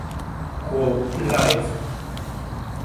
Quo Live!